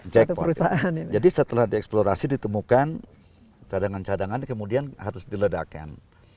jack port jadi setelah dieksplorasi ditemukan cadangan cadangan kemudian harus diledakkan